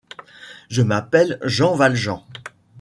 Je m’appelle Jean Valjean.